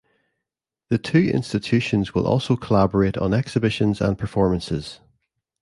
The two institutions will also collaborate on exhibitions and performances.